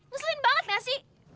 ngeselin banget nggak sih